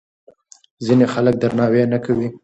ځینې خلک درناوی نه کوي.